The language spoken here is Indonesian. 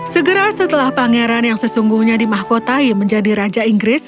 segera setelah pangeran yang sesungguhnya diberi pengetahuan